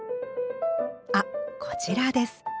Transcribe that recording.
あこちらです。